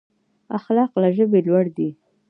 اخلاق له ژبې لوړ دي.